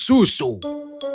aku harus menambah jumlah susu